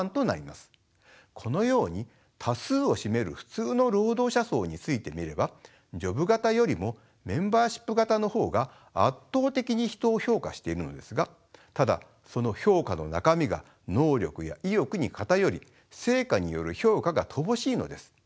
このように多数を占める普通の労働者層についてみればジョブ型よりもメンバーシップ型の方が圧倒的に人を評価しているのですがただその評価の中身が能力や意欲に偏り成果による評価が乏しいのです。